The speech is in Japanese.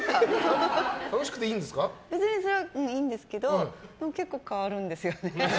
別にそれはいいんですけど結構変わるんですよね。